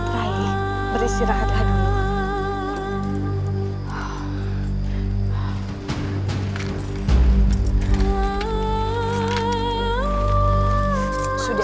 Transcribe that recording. rai beristirahatlah dulu